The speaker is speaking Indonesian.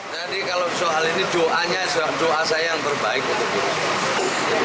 jadi kalau soal ini doanya doa saya yang terbaik untuk itu